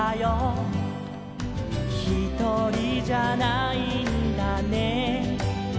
「ひとりじゃないんだね」